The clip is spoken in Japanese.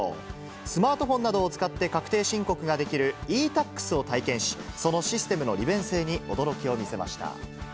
スマートフォンなどを使って確定申告ができるｅ−Ｔａｘを体験し、そのシステムの利便性に驚きを見せました。